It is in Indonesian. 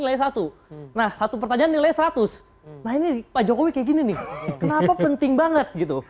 nilai satu nah satu pertanyaan nilai seratus nah ini pak jokowi kayak gini nih kenapa penting banget gitu